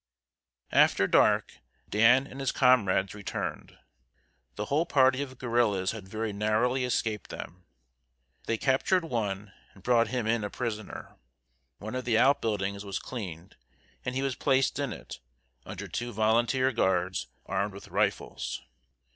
] After dark, Dan and his comrades returned. The whole party of guerrillas had very narrowly escaped them. They captured one, and brought him in a prisoner. One of the out buildings was cleared, and he was placed in it, under two volunteer guards armed with rifles.